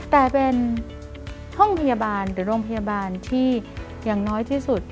แต่เป็นห้องพยาบาลหรือโรงพยาบาลที่อย่างน้อยที่สุด